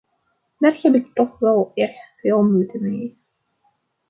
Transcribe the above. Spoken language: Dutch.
Daar heb ik toch wel erg veel moeite mee.